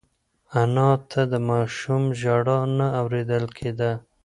انا ته د ماشوم ژړا نه اورېدل کېده.